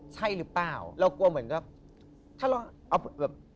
ใช่หรือเปล่าเรากลัวเหมือนกับถ้าเราเอาแบบ